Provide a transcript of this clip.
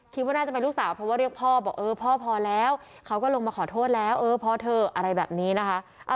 คิดว่าน่าจะเป็นลูกสาวเพราะว่าเรียกพ่อบอกเออพ่อพอแล้วเขาก็ลงมาขอโทษแล้วเออพ่อเธออะไรแบบนี้นะคะ